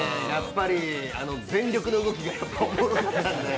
全力の動きが面白かったんで。